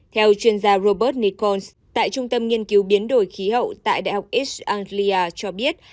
theo chuyên gia robert nicons tại trung tâm nghiên cứu biến đổi khí hậu tại đại học is anglia cho biết